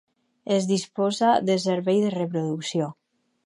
Es disposa de servei de reproducció.